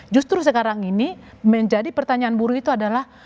justru sekarang ini menjadi pertanyaan buruh itu adalah